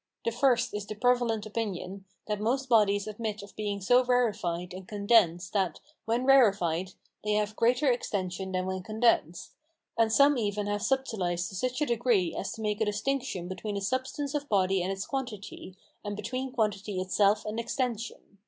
The first is the prevalent opinion, that most bodies admit of being so rarefied and condensed that, when rarefied, they have greater extension than when condensed; and some even have subtilized to such a degree as to make a distinction between the substance of body and its quantity, and between quantity itself and extension.